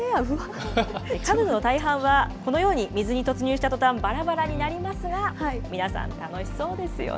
カヌーの大半は、このように水に突入したとたん、ばらばらになりますが、皆さん、楽しそうですよね。